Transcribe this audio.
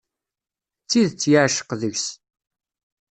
D tidet yeεceq deg-s.